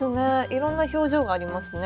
いろんな表情がありますね。